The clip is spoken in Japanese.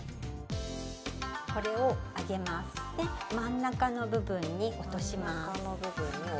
これを上げます、真ん中の部分に落とします。